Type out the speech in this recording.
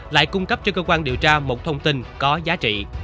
lại cung cấp cho cơ quan điều tra một thông tin có giá trị